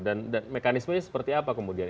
dan mekanismenya seperti apa kemudian